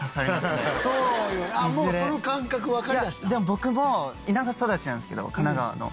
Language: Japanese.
僕も田舎育ちなんですけど神奈川の。